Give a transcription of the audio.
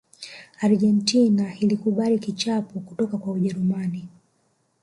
argentina ilikubali kichapo kutoka kwa ujerumani